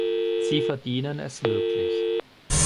Sie verdienen es wirklich.